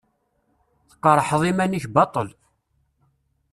Tqerḥeḍ iman-ik baṭṭel.